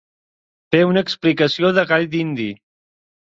Fer una explicació de gall dindi.